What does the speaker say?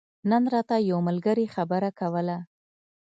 نن راته يو ملګري خبره کوله